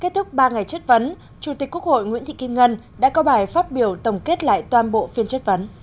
kết thúc ba ngày chất vấn chủ tịch quốc hội nguyễn thị kim ngân đã có bài phát biểu tổng kết lại toàn bộ phiên chất vấn